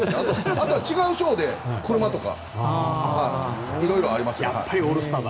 あとは違う賞で車とかいろいろあります。